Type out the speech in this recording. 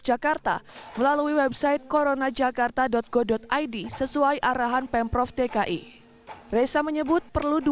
jakarta melalui website corona jakarta go id sesuai arahan pemprov dki reza menyebut perlu